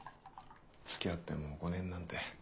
付き合ってもう５年なんて。